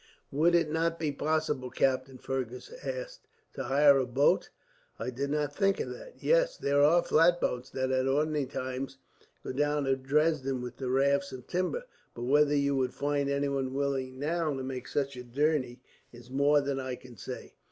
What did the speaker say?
"Would it not be possible, captain," Fergus asked, "to hire a boat?" "I did not think of that. Yes, there are flat boats that at ordinary times go down to Dresden, with the rafts of timber; but whether you would find anyone willing, now, to make such a journey is more than I can say."